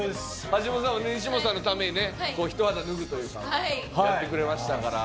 橋本さん西本さんのためにね一肌脱ぐというかやってくれましたから。